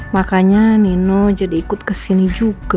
makanya nino jadi ikut kesini juga